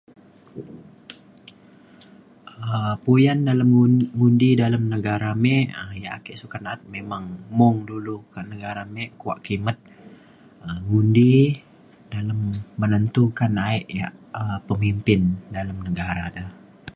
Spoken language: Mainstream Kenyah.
um puyan dalem undi dalem negara mik yak ake sokat naat memang mung du du dalem negara mik kuak kimet um ngundi dalem menentukan aik yak um pemimpin dalem negara le.